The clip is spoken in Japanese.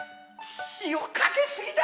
塩かけすぎだ！